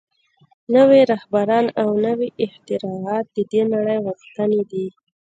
نوي رهبران او نوي اختراعات د دې نړۍ غوښتنې دي